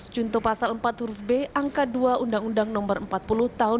junto pasal empat huruf b angka dua undang undang no empat puluh tahun dua ribu